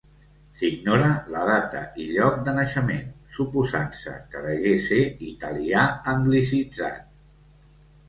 S'ignora la data i lloc de naixement, suposant-se que degué ser italià anglicitzat.